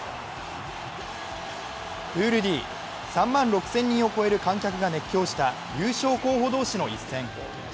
プールＤ、３万６０００人を超える観客が熱狂した優勝候補同士の一戦。